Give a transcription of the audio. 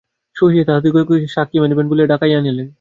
শশী তাহাদিগকে সাক্ষী মানিবেন বলিয়া ডাকাইয়া আনিলেন।